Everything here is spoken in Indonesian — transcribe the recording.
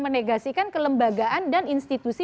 menegasikan kelembagaan dan institusi